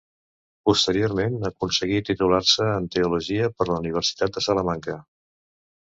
Posteriorment aconseguí titular-se en teologia per la Universitat de Salamanca.